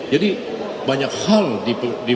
jadi banyak hal di